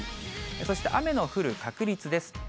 そして雨の降る確率です。